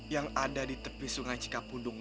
yang ada di tepi sungai cikapundung